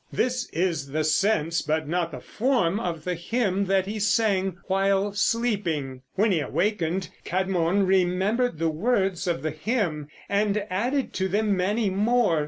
This is the sense but not the form of the hymn that he sang while sleeping. When he awakened, Cædmon remembered the words of the hymn and added to them many more.